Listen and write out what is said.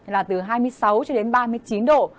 là từ hai mươi sáu cho đến ba mươi chín độ